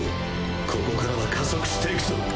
ここからは加速していくぞ。